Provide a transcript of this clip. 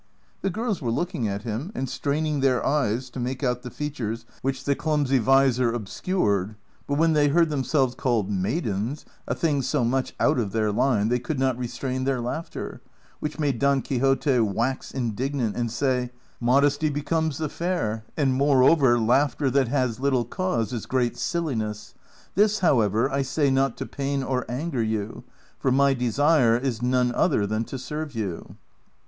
Tlie girls were looking at him and strain ing their eyes to make out the features which the clumsy visor obscured, ]iut when they heard themselves called maidens, a thing so much out of their line, they could not restrain their laughter, which made Don Quixote wax indignant, and say, " Modesty becomes the fair, and moreover laughter that has little cause is great silliness ; this, however, I say not to pain or anger you, for my desire is none other than to serve you."